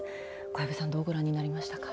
小藪さんどうご覧になりましたか。